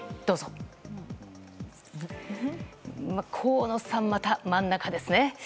河野さんはまた真ん中ですね。